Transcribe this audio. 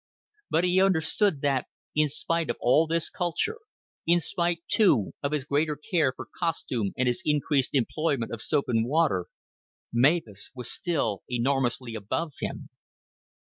But he understood that, in spite of all this culture, in spite, too, of his greater care for costume and his increased employment of soap and water, Mavis was still enormously above him.